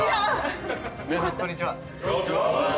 皆さんこんにちは。